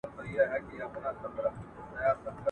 خوږېدل یې سرتر نوکه ټول هډونه `